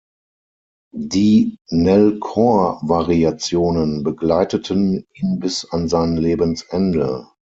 Die „Nel cor-Variationen“ begleiteten ihn bis an sein Lebensende.